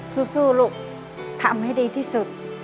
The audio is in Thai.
สู้ลูกทำให้ดีที่สุด